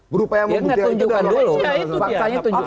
berupaya menunjukkan dulu